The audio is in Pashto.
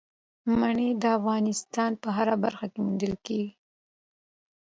منی د افغانستان په هره برخه کې موندل کېږي.